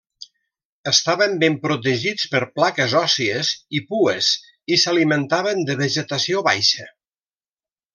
Estaven ben protegits per plaques òssies i pues i s'alimentaven de vegetació baixa.